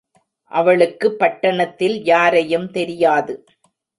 அவளுக்கு பட்டணத்தில் யாரையும் தெரியாது.